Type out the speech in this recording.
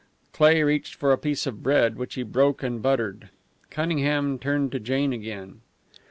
Cleigh reached for a piece of bread, which he broke and buttered. Cunningham turned to Jane again.